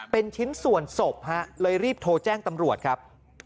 เป็นชิ้นส่วนศพเลยรีบโทรแจ้งตำรวจครับ